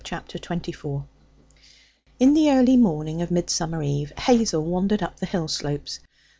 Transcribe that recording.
Chapter 24 In the early morning of Midsummer Eve, Hazel wandered up the hill slopes.